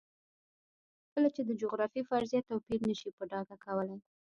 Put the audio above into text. کله چې د جغرافیې فرضیه توپیر نه شي په ډاګه کولی.